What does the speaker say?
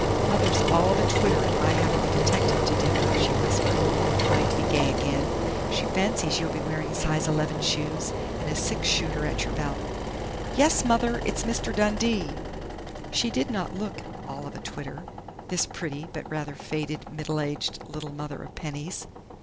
"Mother's all of a twitter at my having a detective to dinner," she whispered, trying to be gay again. "She fancies you'll be wearing size 11 shoes and a 'six shooter' at your belt Yes, Mother! It's Mr. Dundee!" She did not look "all of a twitter," this pretty but rather faded middle aged little mother of Penny's.